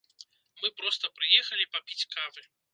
Мы проста прыехалі папіць кавы!